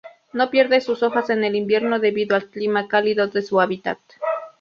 No pierde sus hojas en el invierno, debido al clima cálido de su hábitat.